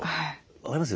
分かります？